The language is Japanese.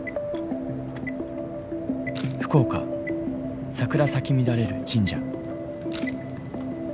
福岡桜咲き乱れる神社。